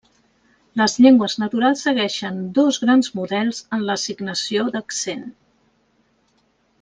Les llengües naturals segueixen dos grans models en l'assignació d'accent.